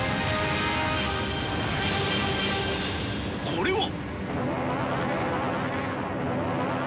これは。